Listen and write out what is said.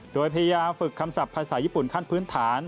โดยพยายามฝึกคำศัพท์ภาษาญี่ปุ่นขั้นพื้นฐาน